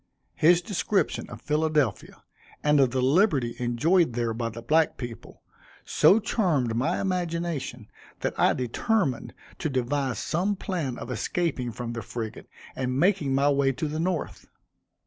His description of Philadelphia, and of the liberty enjoyed there by the black people, so charmed my imagination that I determined to devise some plan of escaping from the frigate, and making my way to the North.